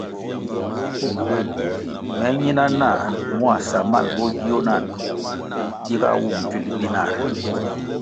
Me nyina nah mua samal bo gio na ndtungu giga wum bvil binari.